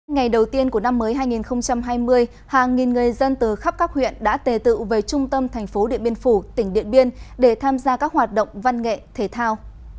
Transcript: ngày đầu tiên của năm mới hai nghìn hai mươi hàng nghìn người dân từ khắp các huyện đã tề tự về trung tâm thành phố điện biên phủ tỉnh điện biên để tham gia các hoạt động văn nghệ thể thao